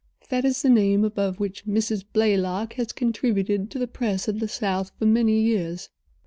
That is the name above which Mrs. Blaylock has contributed to the press of the South for many years."